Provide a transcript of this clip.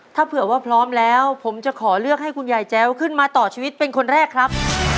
ถ้าเผื่อว่าพร้อมแล้วผมจะขอเลือกให้คุณยายแจ้วขึ้นมาต่อชีวิตเป็นคนแรกครับ